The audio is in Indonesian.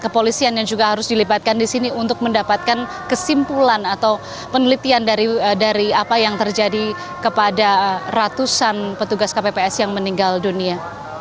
kepolisian yang juga harus dilibatkan di sini untuk mendapatkan kesimpulan atau penelitian dari apa yang terjadi kepada ratusan petugas kpps yang meninggal dunia